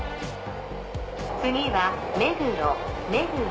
次は目黒目黒。